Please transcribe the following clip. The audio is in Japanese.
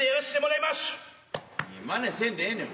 いやまねせんでええねん。